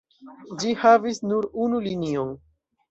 Ĝi havis nur unu linion.